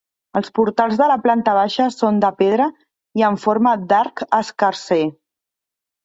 Els portals de la planta baixa són de pedra i en forma d'arc escarser.